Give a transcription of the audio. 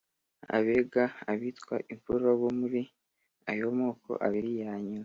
abega, abitwa imfura bo muri aya moko abiri ya nyuma